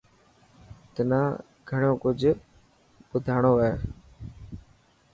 تنا گهڻيون ڪجهه مڍاڻو هي.